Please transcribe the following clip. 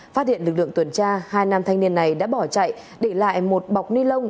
phát hiện lực lượng tuần tra hai nam thanh niên này đã bỏ chạy để lại một bọc ni lông